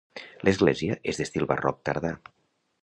L'església és d'estil barroc tardà.